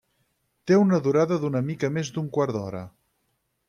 Té una durada d’una mica més d’un quart d’hora.